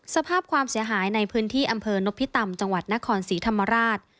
สภาพความเสียหายในพื้นที่อำเภอนพิตำจังหวัดนครศรีธรรมราช